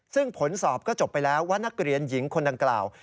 ซึ่งผลสอบก็จบไปแล้วว่านักเรียนหญิงคนดังกล่าว